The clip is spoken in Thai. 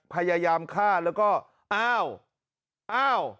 พยายามฆ่าแล้วก็อ้าวอ้าว